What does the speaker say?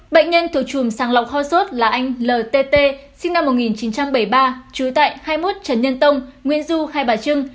bệnh nhân thổ chùm sàng lọc ho sốt là anh lt sinh năm một nghìn chín trăm bảy mươi ba trú tại hai mươi một trần nhân tông nguyễn du hai bà trưng